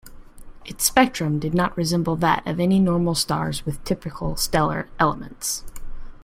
Its spectrum did not resemble that of any normal stars with typical stellar elements.